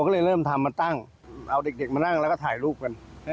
ก็เลยเริ่มทำมาตั้งเอาเด็กมานั่งแล้วก็ถ่ายรูปกัน